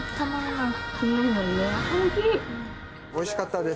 おいしかったです。